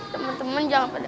teman teman jangan pada